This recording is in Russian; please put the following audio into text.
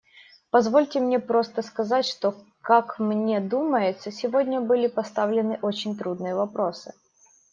Позвольте мне просто сказать, что, как мне думается, сегодня были поставлены очень трудные вопросы.